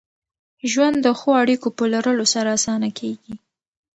ژوند د ښو اړیکو په لرلو سره اسانه کېږي.